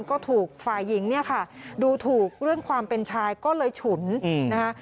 ก็ถูกฝ่ายหญิงเนี่ยค่ะดูถูกเรื่องความเป็นชายก็เลยฉุนนะคะ